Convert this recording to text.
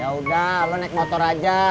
ya udah lo naik motor aja